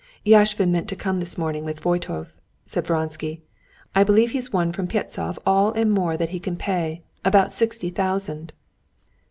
"Yashvin meant to come this morning with Voytov," said Vronsky; "I believe he's won from Pyevtsov all and more than he can pay, about sixty thousand."